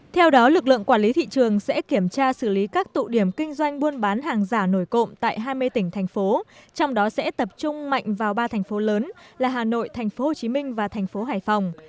theo đó lực lượng quản lý thị trường sẽ kiểm tra xử lý các tụ điểm kinh doanh buôn bán hàng giả nổi cộng tại hai mươi tỉnh thành phố trong đó sẽ tập trung mạnh vào ba thành phố lớn là hà nội tp hcm và thành phố hải phòng